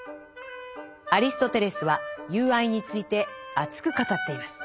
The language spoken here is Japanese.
アリストテレスは「友愛」について熱く語っています。